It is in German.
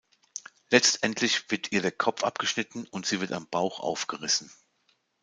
Letztendlich wird ihr der Kopf abgeschnitten und sie wird am Bauch aufgerissen.